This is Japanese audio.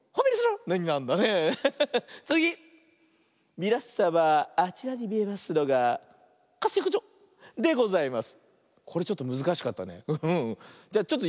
みなさまあちらにみえますのが「かいすよくじょ」でございます。